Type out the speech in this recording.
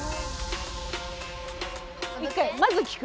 一回まず聴く